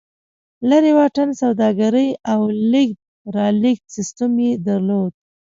لرې واټن سوداګري او لېږد رالېږد سیستم یې درلود.